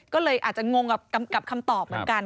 ก็เลยอาจจะงงกับคำตอบเหมือนกัน